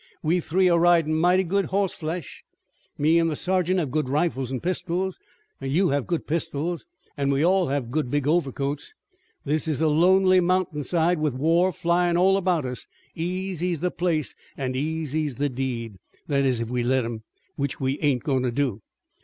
"We three are ridin' mighty good hoss flesh. Me an' the sergeant have good rifles an' pistols, you have good pistols, an' we all have good, big overcoats. This is a lonely mountain side with war flyin' all about us. Easy's the place an' easy's the deed. That is if we'd let 'em, which we ain't goin' to do."